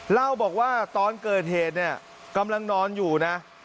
เล่าบอกว่าตอนเกิดเหตุเนี่ยกำลังนอนอยู่นะ